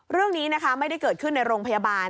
เรื่องนี้นะคะไม่ได้เกิดขึ้นในโรงพยาบาล